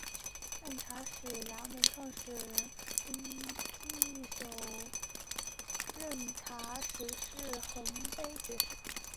按察使司衙门创设人暨首任按察使是洪卑爵士。